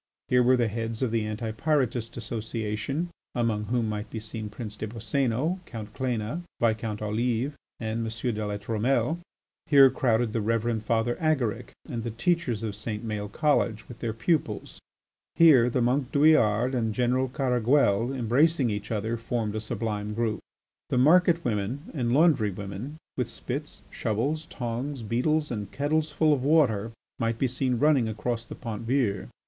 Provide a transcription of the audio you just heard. Here were the heads of the Anti Pyrotist Association, among whom might be seen Prince des Boscénos, Count Cléna, Viscount Olive, and M. de La Trumelle; here crowded the Reverend Father Agaric and the teachers of St. Maël College with their pupils; here the monk Douillard and General Caraguel, embracing each other, formed a sublime group. The market women and laundry women with spits, shovels, tongs, beetles, and kettles full of water might be seen running across the Pont Vieux.